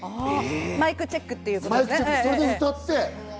マイクチェックってことでね。